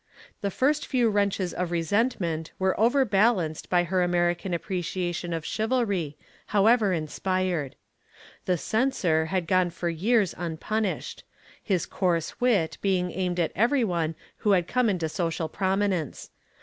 The first few wrenches of resentment were overbalanced by her American appreciation of chivalry, however inspired. "The Censor" had gone for years unpunished; his coarse wit being aimed at every one who had come into social prominence.